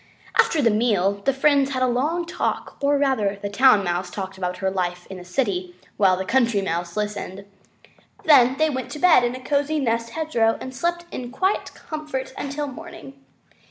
After the meal the friends had a long talk, or rather the Town Mouse talked about her life in the city while the Country Mouse listened. They then went to bed in a cozy nest in the hedgerow and slept in quiet and comfort until morning.